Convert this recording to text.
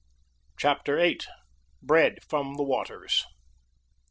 CHAPTER VIII. BREAD FROM THE WATERS.